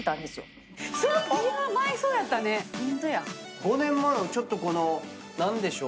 ５年前はちょっとこの何でしょう？